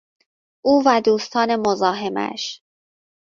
او و دوستان مزاحمش